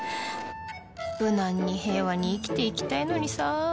無難に平和に生きて行きたいのにさ。